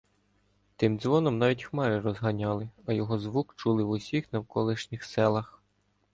Тим дзвоном навіть хмари розганяли, а його звук чули в усіх навколишніх селах.